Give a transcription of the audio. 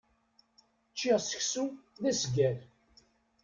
Ččiɣ seksu d asgal.